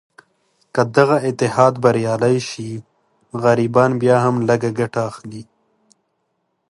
که دغه اتحاد بریالی شي، غریبان بیا هم لږه ګټه اخلي.